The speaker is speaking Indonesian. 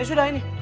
eh sudah ini